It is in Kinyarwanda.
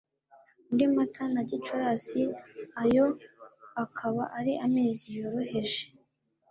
Muri Mata na Gicurasi ayo akaba ari amezi yoroheje